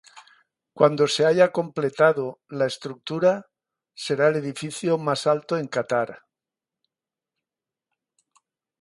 Cuando se haya completado, la estructura será el edificio más alto en Catar.